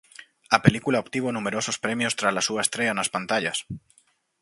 A película obtivo numerosos premios trala súa estrea nas pantallas.